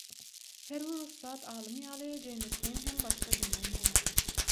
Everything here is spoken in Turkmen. Herbir ussat alym ýaly James Lind hem başda diňlenmeýär.